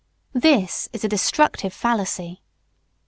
This is a destructive fallacy.